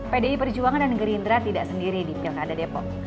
pdi perjuangan dan gerindra tidak sendiri di pilkada depok